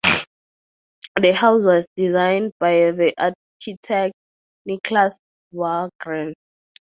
The house was designed by the architect Niclas Wahrgren.